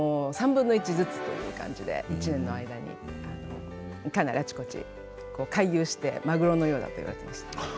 ３分の１ずつという感じで１年の間にかなりあちこち回遊してマグロのようだっていわれてました。